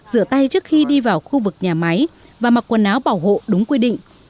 rửa tay trước khi đi vào khu vực nhà máy và mặc quần áo bảo hộ đúng quy định